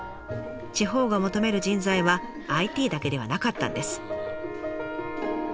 地方が求める人材はＩＴだけではなかったんです。